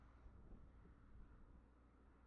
日本琉球群岛是最先受到台风摧残的地区。